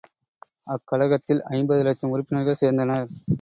அக்கழகத்தில் ஐம்பது இலட்சம் உறுப்பினர்கள் சேர்ந்தனர்.